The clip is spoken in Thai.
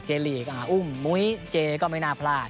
ก็จะมีความสนุกของพวกเรา